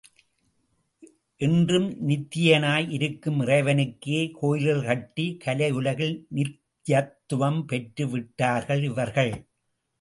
என்றும் நித்தியனாய் இருக்கும் இறைவனுக்கே கோயில்கள் கட்டி, கலை உலகில் நித்யத்வம் பெற்று விட்டார்கள் இவர்கள்.